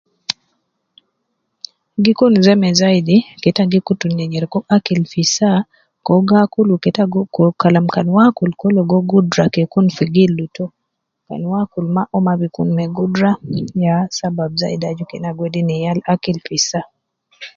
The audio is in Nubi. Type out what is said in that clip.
Gi Kun seme zaidi kede ita wedi na nyereku akil fi saa ko gaakul keeta kun kalam kan waakul o bi Kun ma gudra fi gildu tou kan waakul maa ya saba Al aju kede Ina Kun ma ma gudra fi gildu